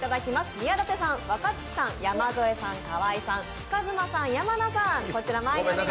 宮舘さん、若槻さん、山添さん、河井さん、ＫＡＺＭＡさん、山名さん